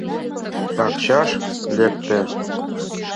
Пакчаш лекте.